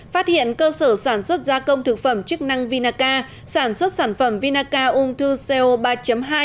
phát hiện cơ sở sản xuất gia công thực phẩm chức năng vinaca sản xuất sản phẩm vinaca ung thư co ba hai